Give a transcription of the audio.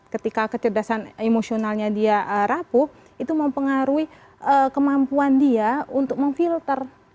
ketika kecerdasan emosionalnya dia rapuh itu mempengaruhi kemampuan dia untuk memfilter